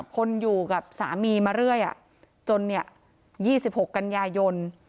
คนอยู่กับสามีมาเรื่อยจนเนี่ย๒๖กันยายน